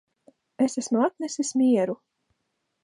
Es esmu atnesis mieru